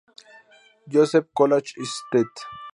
Joseph's College y St.